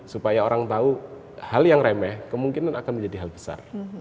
supaya orang tahu hal yang remeh kemungkinan akan menjadi hal besar